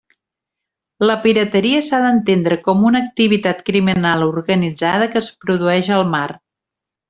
La pirateria s'ha d'entendre com una activitat criminal organitzada que es produeix al mar.